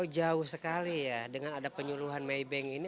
jauh sekali ya dengan ada penyuluhan maybank ini